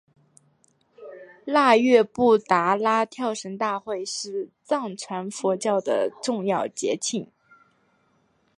腊月布拉达跳神大会是藏传佛教的重要节庆。